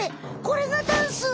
これがダンス？